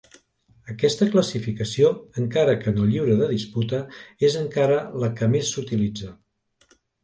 Aquesta classificació, encara que no lliure de disputa, és encara la que més s'utilitza.